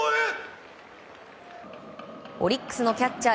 オリックスのキャッチャー